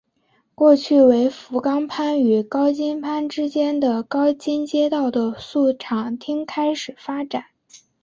过去为福冈藩与唐津藩之间的唐津街道的宿场町而开始发展。